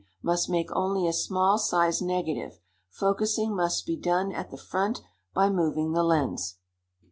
_, must make only a small sized negative; focusing must be done at the front by moving the lens.